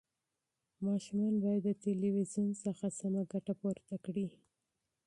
ماشومان باید د تلویزیون څخه سمه ګټه پورته کړي.